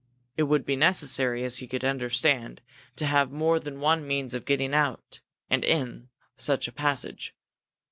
It would be necessary, as he could understand, to have more than one means of getting in and out of such a passage.